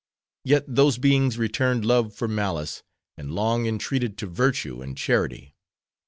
Yet those beings returned love for malice, and long entreated to virtue and charity.